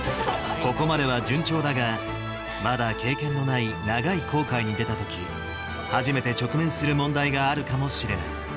ここまでは順調だが、まだ経験のない長い航海に出たとき、初めて直面する問題があるかもしれない。